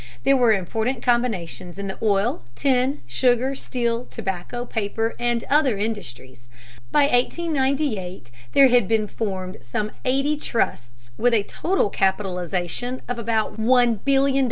There were important combinations in the oil, tin, sugar, steel, tobacco, paper, and other industries. By 1898 there had been formed some eighty trusts, with a total capitalization of about $1,000,000,000.